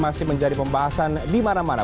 masih menjadi pembahasan di mana mana